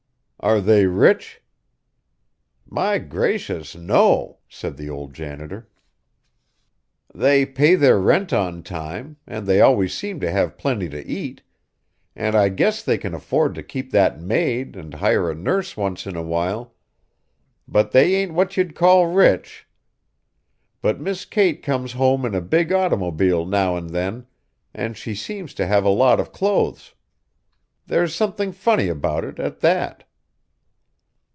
"Are they rich?" "My gracious, no!" said the old janitor. "They pay their rent on time, and they always seem to have plenty to eat, and I guess they can afford to keep that maid and hire a nurse once in a while, but they ain't what you'd call rich. But Miss Kate comes home in a big automobile now and then, and she seems to have a lot of clothes. There's something funny about it, at that."